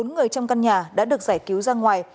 bốn người trong căn nhà đã được giải cứu ra ngoài